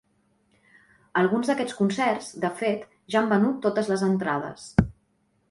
Alguns d’aquests concerts, de fet, ja han venut totes les entrades.